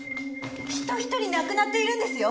人ひとり亡くなっているんですよ！？